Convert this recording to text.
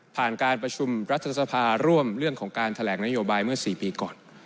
การประชุมรัฐสภาร่วมเรื่องของการแถลงนโยบายเมื่อ๔ปีก่อน